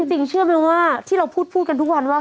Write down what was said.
จริงเชื่อไหมว่าที่เราพูดกันทุกวันว่า